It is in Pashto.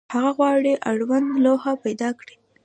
هغه غواړي اړوند لوحه پیدا کړي.